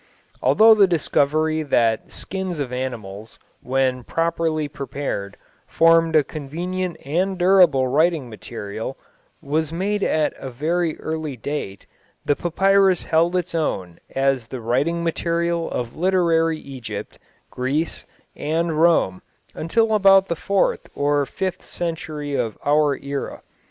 Although the discovery that skins of animals, when properly prepared, formed a convenient and durable writing material, was made at a very early date, the papyrus held its own as the writing material of literary Egypt, Greece, and Rome, until about the fourth or fifth century of our era.